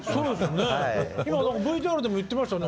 今ＶＴＲでも言ってましたね